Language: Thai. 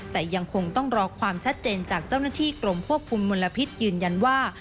แต่ยังคงต้องรอความชัดเจนจากเจ้าหน้าที่กรมควบคุมมลพิษยืนยันว่า